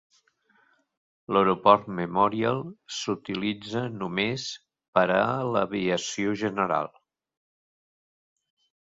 L'aeroport Memorial s'utilitza només per a l'aviació general.